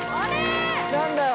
何だよ？